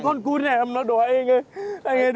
con cún này em nó đói anh ơi